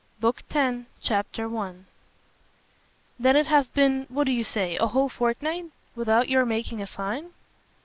Book Tenth, Chapter 1 "Then it has been what do you say? a whole fortnight? without your making a sign?"